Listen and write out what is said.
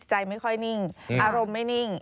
ใจไม่ค่อยนิ่งอารมณ์ไม่นิ่ง